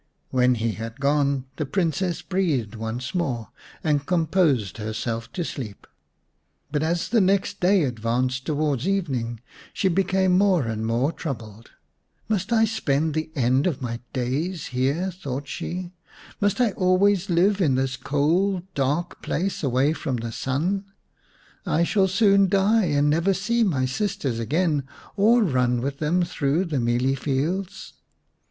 When he had gone the Princess breathed once more, and composed herself to sleep ; but as the next day advanced towards evening she became more and more troubled. " Must I spend the end of my days here ?" 95 The Serpent's Bride vm thought she. " Must I always live in this cold dark place, away from the sun ? I shall soon die and never see my sisters again, or run with them through the mealie fields."